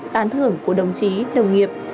tán thưởng của đồng chí đồng nghiệp